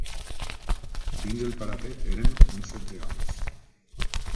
Dins el parapet érem uns setze homes